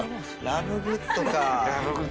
ラブグッドかぁ。